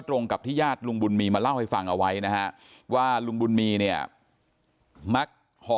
ตรงกับที่ญาติลุงบุญมีมาเล่าให้ฟังเอาไว้นะฮะว่าลุงบุญมีเนี่ยมักห่อ